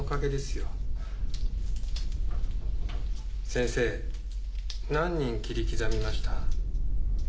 先生何人切り刻みました？